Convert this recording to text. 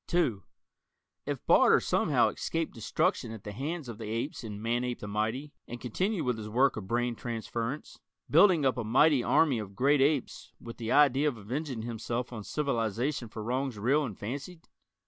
(2) If Barter somehow escaped destruction at the hands of the apes in "Manape the Mighty," and continued with his work of brain transference building up a mighty army of great apes with the idea of avenging himself on civilization for wrongs real and fancied?